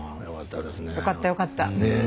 よかったよかった。